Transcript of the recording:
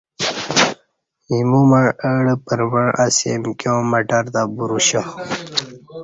ایمو مع اہ ڈہ پرمع اسی امکیاں مٹرتہ بروشیا